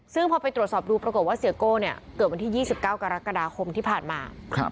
ซึ่งพอไปตรวจสอบดูปรากฏว่าเสียโก้เนี่ยเกิดวันที่ยี่สิบเก้ากรกฎาคมที่ผ่านมา